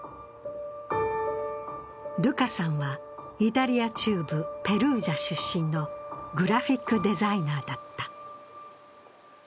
ルカさんはイタリア中部ペルージャ出身のグラフィックデザイナーだった。